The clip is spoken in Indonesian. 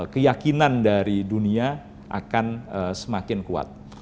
keyakinan dari dunia akan semakin kuat